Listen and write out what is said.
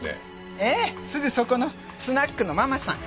ええすぐそこのスナックのママさん。